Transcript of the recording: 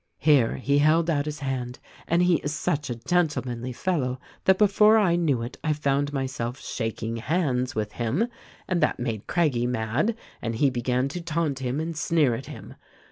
"Here he held out his hand, and he is such a gentle manly fellow that before I knew it I found myself shaking hands with him ; and that made Craggie mad, and he began to taunt him and sneer at him.